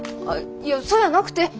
あっいやそやなくて！